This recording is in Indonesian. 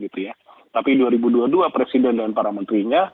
tapi dua ribu dua puluh dua presiden dan para menterinya